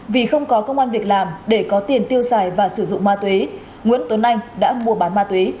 vì không có công an việc làm để có tiền tiêu xài và sử dụng ma túy nguyễn tuấn anh đã mua bán ma túy